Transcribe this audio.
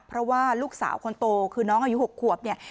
เพราะว่าลูกสาวคนโตคือน้องอายุ๖ขวบเนี่ย